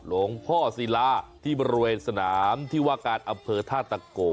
หลวงพ่อศิลาที่บริเวณสนามที่ว่าการอำเภอท่าตะโก